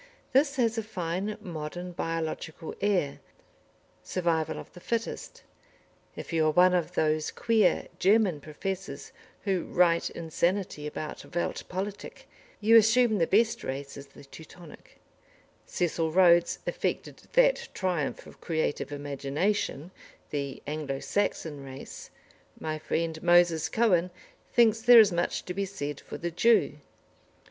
This has a fine, modern, biological air ("Survival of the Fittest"). If you are one of those queer German professors who write insanity about Welt Politik, you assume the best race is the "Teutonic"; Cecil Rhodes affected that triumph of creative imagination, the "Anglo Saxon race"; my friend, Moses Cohen, thinks there is much to be said for the Jew.